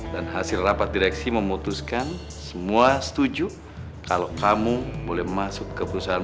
dan hasil rapat direksi memutuskan semua setuju kalo kamu boleh masuk ke perusahaan